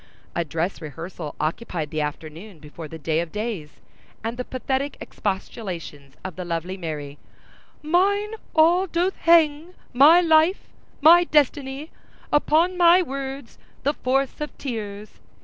A dress rehearsal occupied the afternoon before the day of days, and the pathetic expostulations of the lovely Mary— Mine all doth hang—my life—my destiny— Upon my words—upon the force of tears!